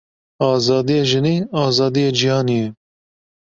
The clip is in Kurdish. Azadiya jinê azadiya cîhanê ye.